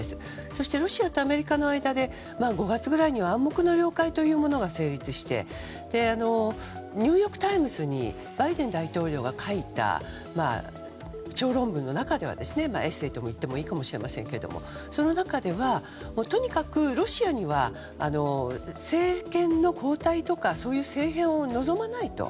そしてロシアとアメリカの間で５月くらいには暗黙の了解というものが成立してニューヨーク・タイムズにバイデン大統領が書いた小論文の中では、エッセーといってもいいかもですがその中では、とにかくロシアには政権の交代とかそういう政変を望まないと。